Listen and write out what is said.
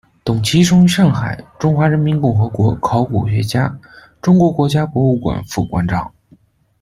董琦生于上海，中华人民共和国考古学家，中国国家博物馆副馆长。